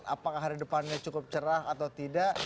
apakah hari depannya cukup cerah atau tidak